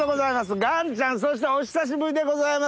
岩ちゃんそしてお久しぶりでございます